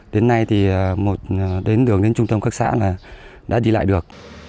đến nay một đường đến trung tâm các xã đã đi lại được